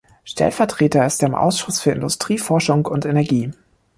Stellvertreter ist er im Ausschuss für Industrie, Forschung und Energie.